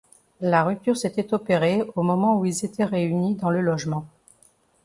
La rupture s’était opérée au moment où ils étaient réunis dans le logement.